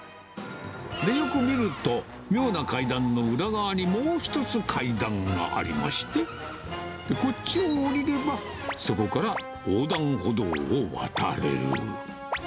よく見ると、妙な階段の裏側にもう一つ、階段がありまして、こっちを下りれば、そこから横断歩道を渡れる。